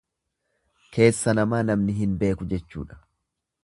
Keessa namaa namni hin beeku jechuudha.